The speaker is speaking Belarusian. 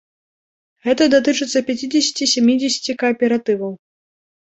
Гэта датычыцца пяцідзесяці-сямідзесяці кааператываў.